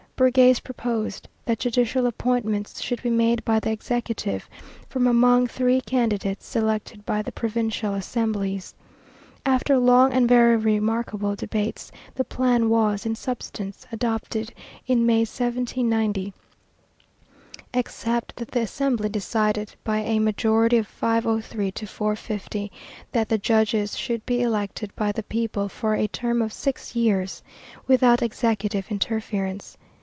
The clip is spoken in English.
Bergasse proposed that judicial appointments should be made by the executive from among three candidates selected by the provincial assemblies. After long and very remarkable debates the plan was, in substance, adopted in May, 1790, except that the Assembly decided, by a majority of 503 to 450, that the judges should be elected by the people for a term of six years, without executive interference.